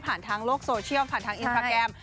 ทางโลกโซเชียลผ่านทางอินสตราแกรม